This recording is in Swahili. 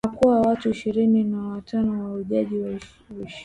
na kuua watu ishirini na watano mahujaji wa kishia